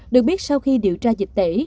được biết sau khi điều tra dịch tễ